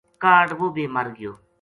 کاہڈ وہ بے مر گیو